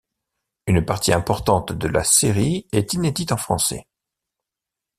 Une partie importante de la série est inédite en français.